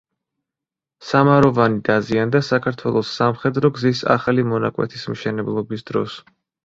სამაროვანი დაზიანდა საქართველოს სამხედრო გზის ახალი მონაკვეთის მშენებლობის დროს.